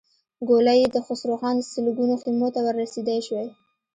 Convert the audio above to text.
ګولۍ يې د خسروخان سلګونو خيمو ته ور رسېدای شوای.